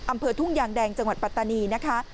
อำเภอทุ่งยางแดงจังหวัดปัตตานีนะคะ